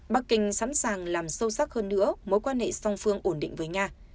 bắc kinh sẵn sàng làm sâu sắc hơn nữa mối quan hệ song phương ổn định với nga